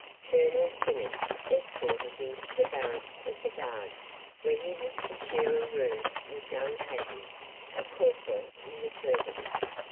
Colonel Quinnox escorted him to the barracks of the guards where he was to share a room with young Haddan, a corporal in the service.